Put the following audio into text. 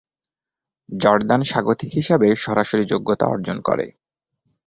Jordan স্বাগতিক হিসাবে সরাসরি যোগ্যতা অর্জন করে।